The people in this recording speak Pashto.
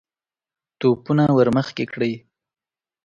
توپونه ور مخکې کړئ!